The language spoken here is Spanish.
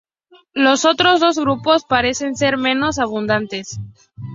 Los otros dos grupos parecen ser menos abundantes.